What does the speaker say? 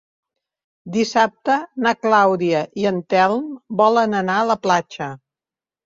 Dissabte na Clàudia i en Telm volen anar a la platja.